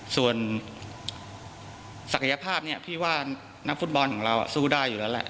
ส่วนศักยภาพเนี่ยพี่ว่านักฟุตบอลของเราสู้ได้อยู่แล้วแหละ